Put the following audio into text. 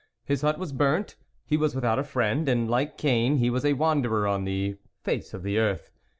His hut was burnt, he was without a friend, and like Cain, he was a wanderer on the face of the earth.